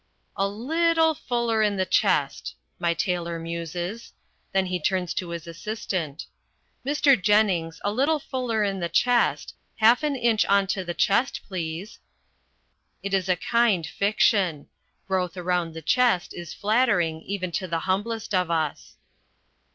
"A little fuller in the chest," my tailor muses. Then he turns to his assistant. "Mr. Jennings, a little fuller in the chest half an inch on to the chest, please." It is a kind fiction. Growth around the chest is flattering even to the humblest of us.